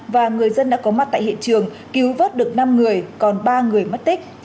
và người dân đã có mặt tại hiện trường cứu vớt được năm người còn ba người mất tích